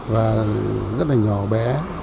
và rất là nhỏ bé